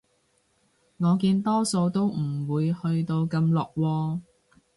我見多數都唔會去到咁落喎